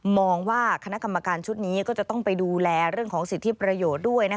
มองว่าคณะกรรมการชุดนี้ก็จะต้องไปดูแลเรื่องของสิทธิประโยชน์ด้วย